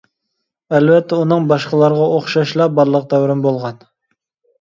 ئەلۋەتتە، ئۇنىڭ باشقىلارغا ئوخشاشلا بالىلىق دەۋرىمۇ بولغان.